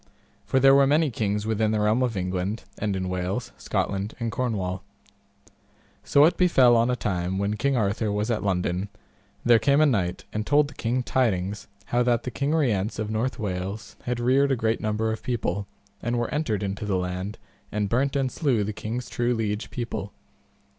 For there were many kings within the realm of England, and in Wales, Scotland, and Cornwall. So it befell on a time when King Arthur was at London, there came a knight and told the king tidings how that the King Rience of North Wales had reared a great number of people, and were entered into the land, and burnt and slew the king's true liege people.